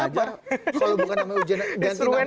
saya hubungkan sama ujian nasional